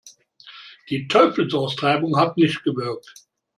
Die Teufelsaustreibung hat nicht gewirkt.